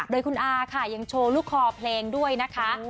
โดยคุณอาค่ะยังโชว์ลูกคอเพลงด้วยนะคะ